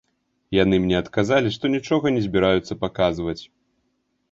Яны мне адказалі, што нічога не збіраюцца паказваць.